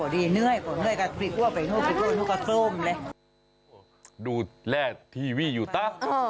ดูแลทีวีอยู่ต๊ะ